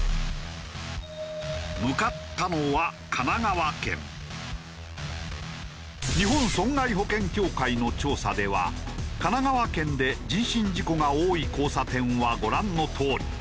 向かったのは日本損害保険協会の調査では神奈川県で人身事故が多い交差点はご覧のとおり。